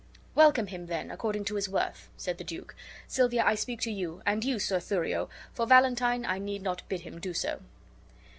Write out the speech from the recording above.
"Welcome him, then, according to his worth," said the duke. "Silvia, I speak to you, and you, Sir Thurio; for Valentine, I need not bid him do so."